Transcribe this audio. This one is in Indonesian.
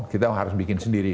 kita harus bikin sendiri